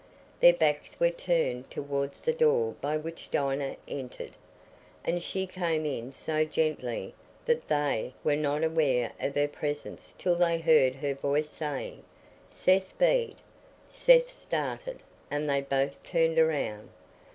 Their backs were turned towards the door by which Dinah entered, and she came in so gently that they were not aware of her presence till they heard her voice saying, "Seth Bede!" Seth started, and they both turned round.